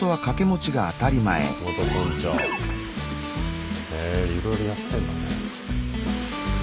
元村長。へいろいろやってんだね。